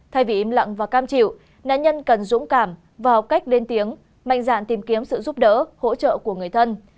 thay vì im lặng và cam chịu nạn nhân cần dũng cảm vào cách lên tiếng mạnh dạn tìm kiếm sự giúp đỡ hỗ trợ của người thân